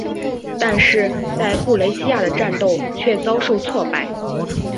但是在布雷西亚的战斗却遭受挫败。